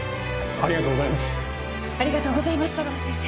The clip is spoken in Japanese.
ありがとうございます相良先生。